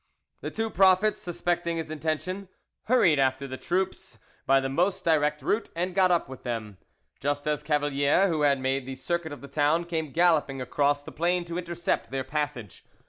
The two prophets suspecting his intention, hurried after the troops by the most direct route, and got up with them, just as Cavalier, who had made the circuit of the town, came galloping across the plain to intercept their passage.